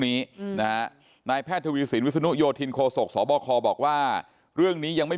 นี้นะฮะนายแพทย์ทวีสินวิศนุโยธินโคศกสบคบอกว่าเรื่องนี้ยังไม่